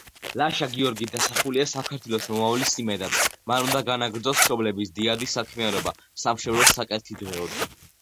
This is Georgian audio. ლაშა-გიორგი დასახულია საქართველოს მომავლის იმედად, მან უნდა განაგრძოს მშობლების დიადი საქმიანობა სამშობლოს საკეთილდღეოდ.